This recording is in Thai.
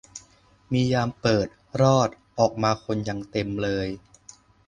มียามเปิด รอด ออกมาคนยังเต็มเลย